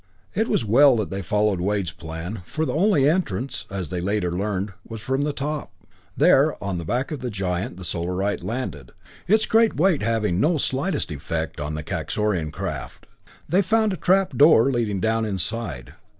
It was well that they followed Wade's plan, for the only entrance, as they later learned, was from the top. There, on the back of the giant, the Solarite landed its great weight having no slightest effect on the Kaxorian craft. They found a trap door leading down inside.